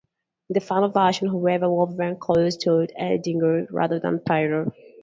In the final version, however, Wolverine calls Toad a "dingo" rather than Pyro.